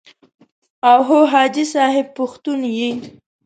او هو حاجي صاحب پښتون یې.